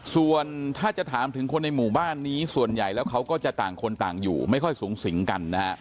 ส่วนถ้าจะถามถึงคนในหมู่บ้านนี้ส่วนใหญ่แล้วเขาก็จะต่างคนต่างอยู่ไม่ค่อยสูงสิงกันนะฮะ